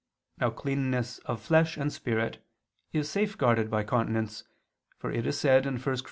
Now cleanness of flesh and spirit is safeguarded by continence, for it is said (1 Cor.